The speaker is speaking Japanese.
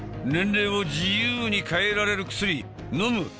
年齢を自由に変えられる薬飲む？